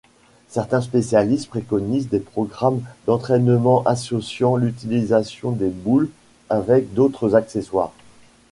Certains spécialistes préconisent des programmes d'entraînements associant l'utilisation des boules avec d'autres accessoires.